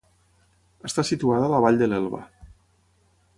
Està situada a la vall de l'Elba.